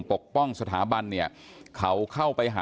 โคศกรรชาวันนี้ได้นำคลิปบอกว่าเป็นคลิปที่ทางตำรวจเอามาแถลงวันนี้นะครับ